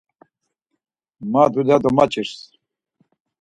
Ma dulya domaç̌irs.